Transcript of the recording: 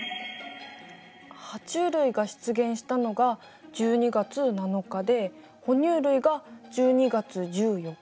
ハチュウ類が出現したのが１２月７日で哺乳類が１２月１４日。